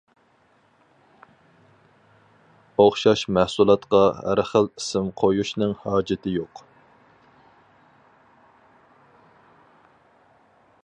ئوخشاش مەھسۇلاتقا ھەر خىل ئىسىم قويۇشنىڭ ھاجىتى يوق.